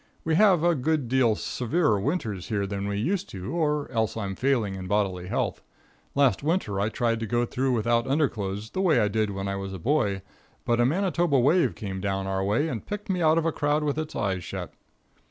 We have a good deal severer winters here than we used to, or else I'm failing in bodily health. Last winter I tried to go through without underclothes, the way I did when I was a boy, but a Manitoba wave came down our way and picked me out of a crowd with its eyes shet.